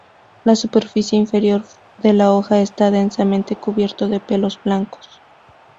La superficie inferior de la hoja está densamente cubierto de pelos blancos.